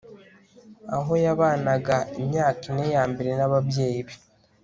aho yabanaga imyaka ine yambere nababyeyi be